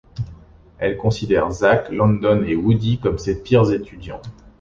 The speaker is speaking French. Elle considère Zack, London et Woody comme ses pires étudiants.